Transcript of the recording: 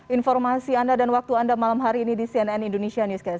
informasi anda dan waktu anda malam hari ini di cnn indonesia newscast